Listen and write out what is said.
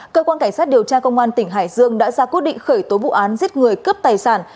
cơ quan cảnh sát điều tra công an tỉnh hải dương đã ra quyết định khởi tố vụ án giết người cướp tài sản